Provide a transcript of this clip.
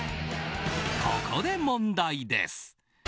ここで問題です。